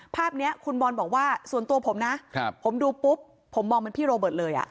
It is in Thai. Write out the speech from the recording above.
ภาพนี้คุณบอลบอกว่าส่วนตัวผมนะผมดูปุ๊บผมมองเหมือนพี่โรเบิร์ตเลย